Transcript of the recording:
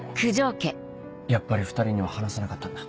やっぱり２人には話さなかったんだ？